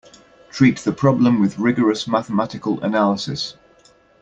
Treat the problem with rigorous mathematical analysis.